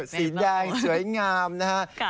สีแดงสวยงามนะครับ